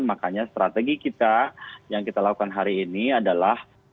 makanya strategi kita yang kita lakukan hari ini adalah